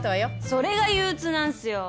それが憂鬱なんすよ。